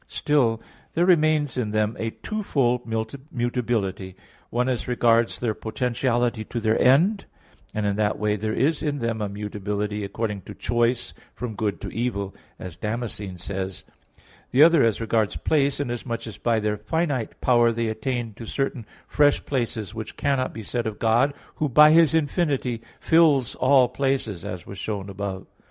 Still, there remains in them a twofold mutability: one as regards their potentiality to their end; and in that way there is in them a mutability according to choice from good to evil, as Damascene says (De Fide ii, 3,4); the other as regards place, inasmuch as by their finite power they attain to certain fresh places which cannot be said of God, who by His infinity fills all places, as was shown above (Q.